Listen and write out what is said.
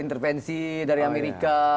intervensi dari amerika